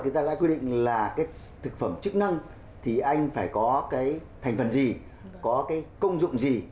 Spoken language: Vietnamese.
pháp luật quy định là thực phẩm chức năng thì anh phải có thành phần gì có công dụng gì